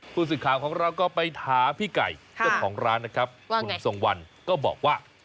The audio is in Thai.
ผู้สินค้าของเราก็ไปถาพี่ไก่ของร้านนะครับว่าไงคุณส่งวันก็บอกว่า